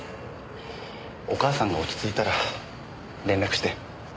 お母さんが落ち着いたら連絡して。